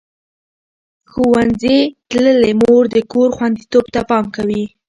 ښوونځې تللې مور د کور خوندیتوب ته پام کوي.